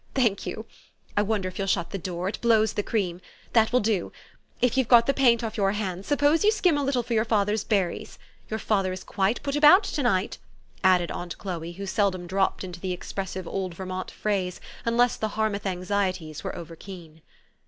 Thank you. I wonder if you'll shut the door it blows the cream. That will do. If you've got the paint off 3 T our hands, suppose you skim a little for your father's berries. Your father is quite put about, to night," added aunt Chloe, who seldom dropped into the expressive old Vermont phrase un less the Harmouth anxieties were over keen.